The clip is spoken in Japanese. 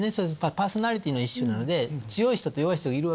パーソナリティーの一種なので強い人と弱い人がいるわけですよ。